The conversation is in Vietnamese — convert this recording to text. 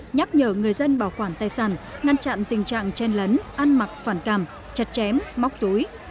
nhắc nhở người dân bảo quản tài sản ngăn chặn tình trạng chen lấn ăn mặc phản cảm chặt chém móc túi